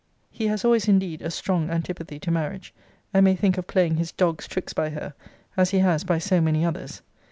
He had always indeed a strong antipathy to marriage, and may think of playing his dog's tricks by her, as he has by so many others.